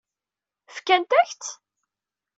Fkant-ak-tt?